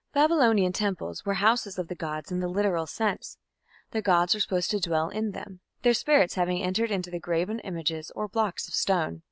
" Babylonian temples were houses of the gods in the literal sense; the gods were supposed to dwell in them, their spirits having entered into the graven images or blocks of stone.